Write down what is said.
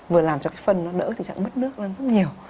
vừa làm cho cái phân nó đỡ tình trạng mất nước lên rất nhiều